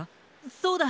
そうだ！